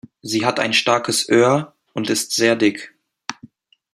Sie hat ein starkes Öhr und ist sehr dick.